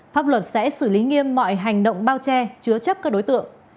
pháp luật sẽ xử lý nghiêm mọi hành động bao che chứa chấp các đối tượng